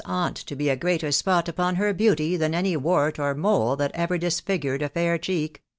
aunt to be a greater spot upon her beauty than any wart or mole that ever disfigured a fair cheek